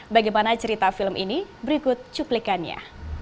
bagaimana cerita film ini berikut cuplikannya